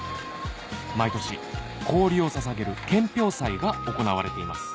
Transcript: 毎年氷をささげる献氷祭が行われています